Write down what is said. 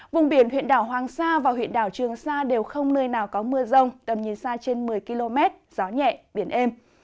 vùng biển huyện đảo hoàng sa và huyện đảo trường sa đều không nơi nào có mưa rông tầm nhìn xa trên một mươi km gió nhẹ biển êm